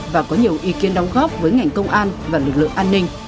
và có nhiều ý kiến đóng góp với ngành công an và lực lượng an ninh